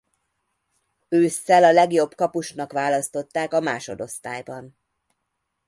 Ősszel a legjobb kapusnak választották a másodosztályban.